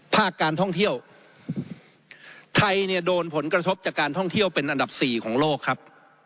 ภาคการท่องเที่ยวไทยเนี่ยโดนผลกระทบจากการท่องเที่ยวเป็นอันดับสี่ของโลกครับ